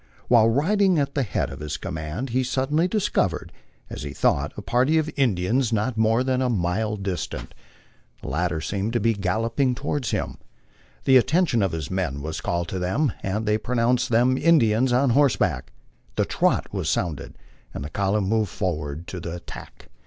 While riding at the head of his com mand he suddenly discovered, as he thought, a party of Indians not more than 10 MY LIFE ON THE PLAINS. B mile distant. The latter seemed to be galloping toward him. The atten tion of his men was called to them, and they pronounced them Indians OB horseback. The "trot" was sounded, and the column moved forward to the attack.